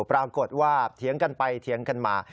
ปรากฏว่าเถียงกันไปเถียงกันมา